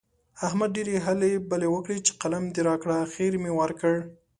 احمد ډېرې هلې بلې وکړې چې قلم دې راکړه؛ اخېر مې ورکړ.